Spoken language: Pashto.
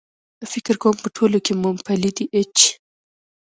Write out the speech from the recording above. فکر کوم په ټولو کې مومپلي دي.H